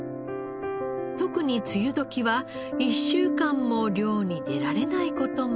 特に梅雨時は１週間も漁に出られない事も。